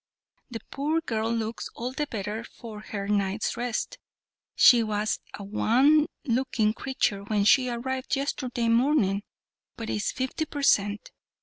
The poor girl looks all the better for her night's rest. She was a wan looking creature when she arrived yesterday morning, but is fifty per cent.